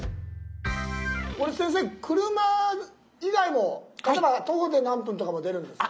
これ先生車以外も例えば徒歩で何分とかも出るんですか？